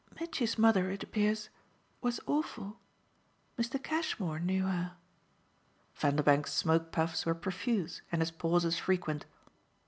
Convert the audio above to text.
"Mitchy's mother, it appears, was awful. Mr. Cashmore knew her." Vanderbank's smoke puffs were profuse and his pauses frequent.